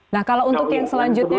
nah kalau untuk yang selanjutnya